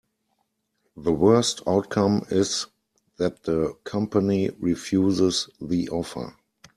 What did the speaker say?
The worst outcome is that the company refuses the offer.